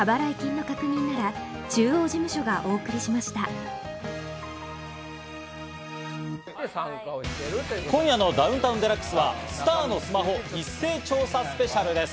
週間予報とポイント今夜の『ダウンタウンＤＸ』はスターのスマホ一斉調査スペシャルです。